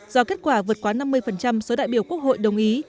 do kết quả vượt quá năm mươi số đại biểu quốc hội đồng ý